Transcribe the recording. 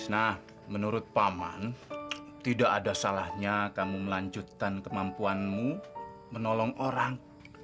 nah menurut paman tidak ada salahnya kamu melanjutkan kemampuanmu menolong orang